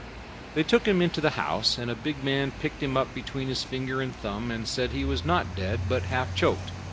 They took him into the house, and a big man picked him up between his finger and thumb and said he was not dead but half choked.